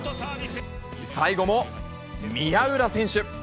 最後も宮浦選手。